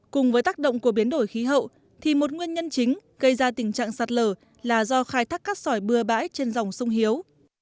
cùng với tác động của biến đổi khí hậu thì một nguyên nhân chính gây ra tình trạng sạt lở là do khai thác cát sỏi bừa bãi trên dòng sông hiếu